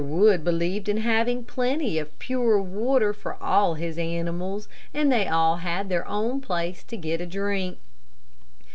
Wood believed in having plenty of pure water for all his animals and they all had their own place to get a drink.